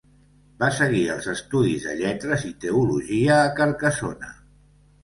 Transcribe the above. Va seguir els estudis de lletres i teologia a Carcassona.